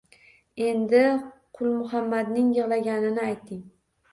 Endi Qulmuhammadning yig‘laganini ayting